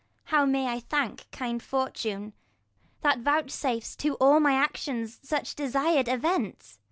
How may I thank kind Fortune, that vouchsafes To all my actions such desir'd event !